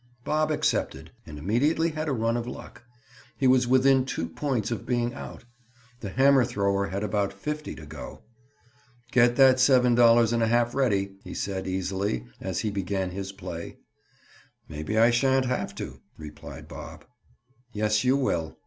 Bob accepted, and immediately had a run of luck. He was within two points of being out. The hammer thrower had about fifty to go. "Get that seven dollars and a half ready," he said easily as he began his play. "Maybe I shan't have to," replied Bob. "Yes, you will."